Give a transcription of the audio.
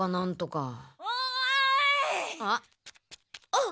あっ？